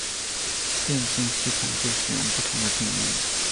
电信系统对使用不同的定义。